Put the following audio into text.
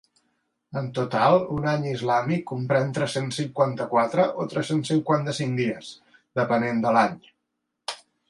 En total, un any islàmic comprèn tres-cents cinquanta-quatre o tres-cents cinquanta-cinc dies, depenent de l’any.